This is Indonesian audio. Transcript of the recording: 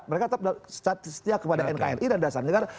mereka tetap setia kepada nkri dan dasar negara